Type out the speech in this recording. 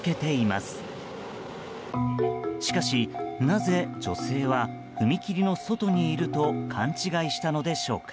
しかし、なぜ女性は踏切の外にいると勘違いしたのでしょうか。